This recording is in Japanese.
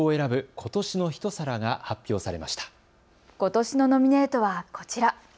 ことしのノミネートはこちら。